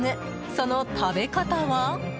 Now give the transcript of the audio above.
その食べ方は？